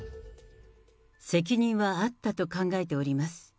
責任はあったと考えております。